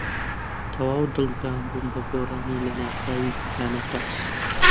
تەواو دڵگران بووم بە گۆڕانی لەناکاوی پلانەکە.